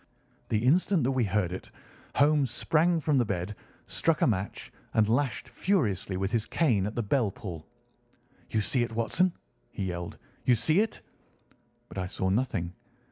The instant that we heard it, Holmes sprang from the bed, struck a match, and lashed furiously with his cane at the bell pull. "You see it, Watson?" he yelled. "You see it?" But I saw nothing.